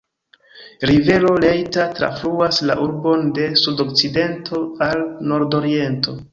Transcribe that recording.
Rivero Leitha trafluas la urbon de sud-okcidento al nord-oriento.